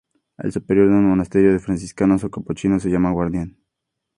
El superior de un monasterio de franciscanos o capuchinos se llama guardián.